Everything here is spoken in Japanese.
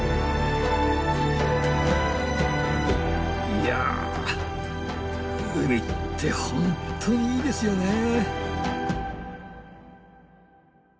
いや海ってほんとにいいですよねぇ！